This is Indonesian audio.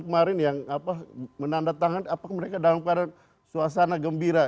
kemarin yang apa menandatangan apa mereka dalam suasana gembira